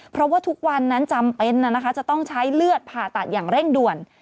เพราะว่าทุกวันนั้นจำเป็นจะต้องใช้เลือดผ่าตัดอย่างเร่งด่วน